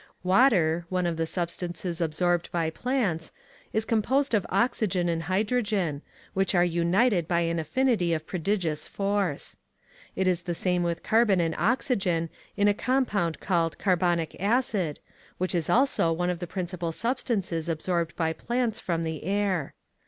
Water, one of the substances absorbed by plants, is composed of oxygen and hydrogen, which are united by an affinity of prodigious force. It is the same with carbon and oxygen, in a compound called carbonic acid, which is also one of the principal substances absorbed by plants from the air.